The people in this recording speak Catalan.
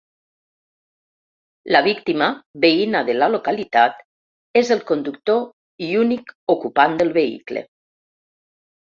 La víctima, veïna de la localitat, és el conductor i únic ocupant del vehicle.